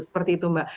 seperti itu mbak